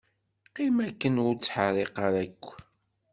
Qqim akken ur ttḥerrik ara akk.